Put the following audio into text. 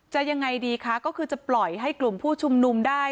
ยังไงดีคะก็คือจะปล่อยให้กลุ่มผู้ชุมนุมได้